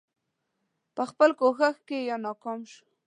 په خپل کوښښ کې یا ناکام شو.